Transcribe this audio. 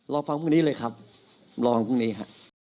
รอฟังพรุ่งนี้เลยครับรอวันพรุ่งนี้ครับ